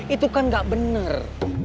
itu kan gak bener